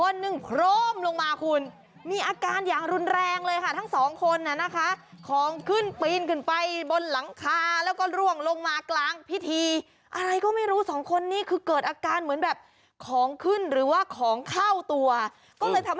เนี่ยค่ะตอนทำพิธีอยู่เลยเห็นไหม